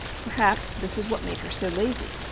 Perhaps this was what made her so lazy.